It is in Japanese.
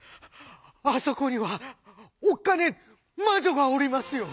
「あそこにはおっかねえまじょがおりますよ。